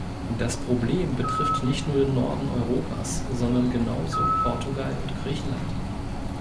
Das Problem betrifft nicht nur den Norden Europas, sondern genauso Portugal und Griechenland.